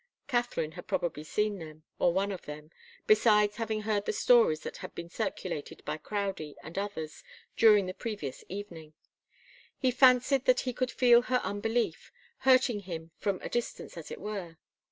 Katharine had probably seen them, or one of them, besides having heard the stories that had been circulated by Crowdie and others during the previous evening. He fancied that he could feel her unbelief, hurting him from a distance, as it were.